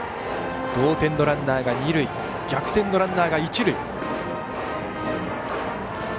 同点のランナーが二塁逆転のランナーが一塁。